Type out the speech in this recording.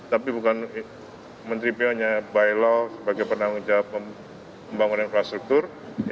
tapi bukan menteri pu nya bailo sebagai penanggung jawab pembangunan infrastruktur